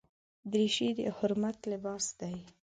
دریشي د حرمت لباس دی.